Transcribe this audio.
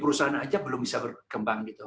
perusahaan saja belum bisa berkembang